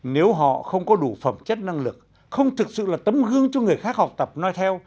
nếu họ không có đủ phẩm chất năng lực không thực sự là tấm gương cho người khác học tập nói theo